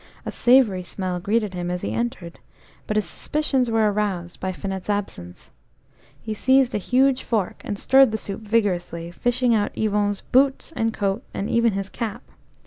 A savoury smell greeted him as he entered, but his suspicions were aroused by Finette's absence. He seized a huge fork, and stirred the soup vigorously, fishing out Yvon's boots and coat, and even his cap.